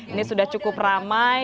ini sudah cukup ramai